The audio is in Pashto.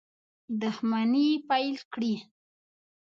دښمني پیل کړي.